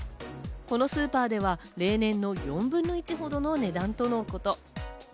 このスーパーでは例年の４分の１ほどの値段とのこと。